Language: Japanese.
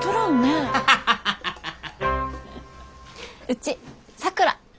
うちさくら。